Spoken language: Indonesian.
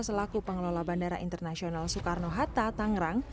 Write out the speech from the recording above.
selaku pengelola bandara internasional soekarno hatta tangerang